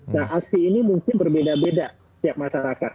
nah aksi ini mungkin berbeda beda setiap masyarakat